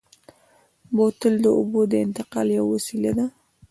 بوتل د اوبو د انتقال یوه وسیله ده.